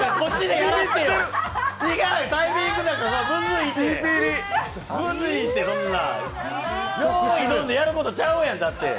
用意ドンでやることちゃうやん、だって。